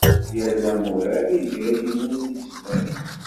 Yal amurar iga ayen umi yezmer.